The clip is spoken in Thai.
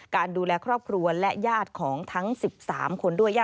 ดูแลครอบครัวและญาติของทั้ง๑๓คนด้วย